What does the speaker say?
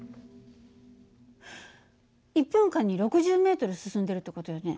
１分間に６０ｍ進んでるって事よね。